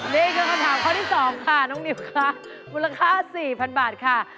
นี่คือคำถามข้อที่๒ค่ะน้องนิวค่ะมูลค่า๔๐๐๐บาทค่ะ